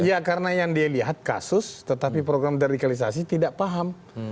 ya karena yang dia lihat kasus tetapi program deradikalisasi tidak paham